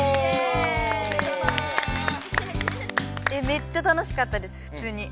めっちゃ楽しかったですふつうに。